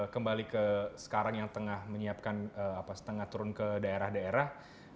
kembali ke sekarang yang tengah menyiapkan apa setengah turun ke daerah daerah